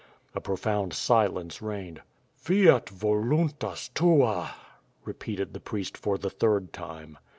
..." A profound silence reigned. "... Fiat voluntas tua! ..." Repeated the priest for the third time.